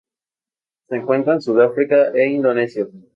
Se encuentra en Sudáfrica e Indonesia.